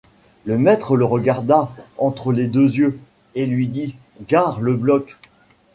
Le maître le regarda entre les deux yeux et lui dit: Gare le bloc!